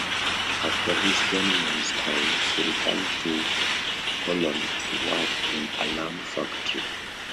After his journeyman's time, he returned to Cologne to work in a lamp factory.